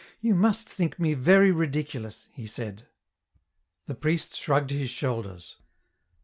" You must think me very ridiculous," he said. The priest shrugged his shoulders.